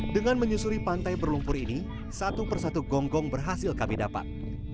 dengan menyusuri pantai berlumpur ini satu persatu gonggong berhasil kami dapat